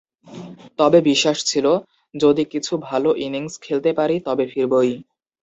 তবে বিশ্বাস ছিল, যদি কিছু ভালো ইনিংস খেলতে পারি, তবে ফিরবই।